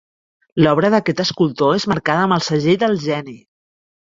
L'obra d'aquest escultor és marcada amb el segell del geni.